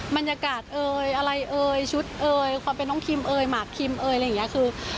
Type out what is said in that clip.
บรรยากาศเอ่ยอะไรเอ่ยชุดเอ่ยความเป็นน้องคิมเอยหมากคิมเอยอะไรอย่างเงี้ยคือ